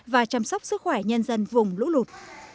và chăm sóc sức khỏe nhân dân vùng lũ lụt